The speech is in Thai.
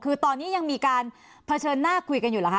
คือตอนนี้ยังมีการเผชิญหน้าคุยกันอยู่เหรอคะ